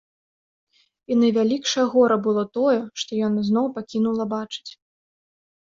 І найвялікшае гора было тое, што яна зноў пакінула бачыць.